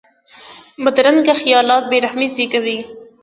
بدرنګه خیالات بې رحمي زېږوي